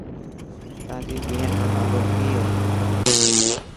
تانجي ٻين رو نالو ڪي هي.